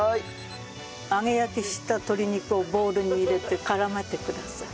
揚げ焼きした鶏肉をボウルに入れて絡めてください。